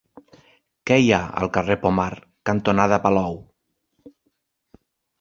Què hi ha al carrer Pomar cantonada Palou?